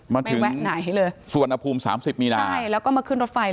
มาถึงสุวรรณภูมิ๓๐มีนาคมแล้วก็มาขึ้นรถไฟเลย